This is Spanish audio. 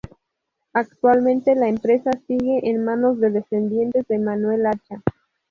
Actualmente la empresa sigue en manos de descendientes de Manuel Acha.